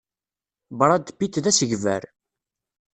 Brad Pitt d asegbar.